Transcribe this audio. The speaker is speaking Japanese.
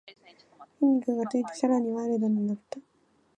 筋肉がついてさらにワイルドになった